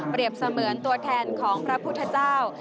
เสมือนตัวแทนของพระพุทธเจ้า